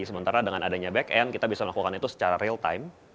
sementara dengan adanya back end kita bisa melakukan itu secara real time